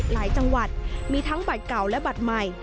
จังหวัดมีทั้งบัตรเก่าและบัตรใหม่